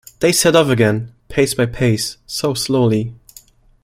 They set off again, pace by pace, so slowly.